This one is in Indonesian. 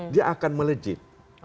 dia akan melejit